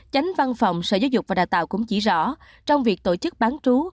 chánh văn phòng sở giáo dục và đào tạo cũng chỉ rõ trong việc tổ chức bán chú